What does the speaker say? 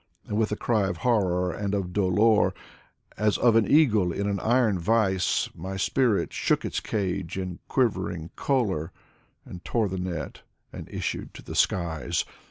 And with a cry of horror and of dolor — As of an eagle in an iron vise — My spirit shook its cage in quivering choler, And tore the net, and issued to the skies.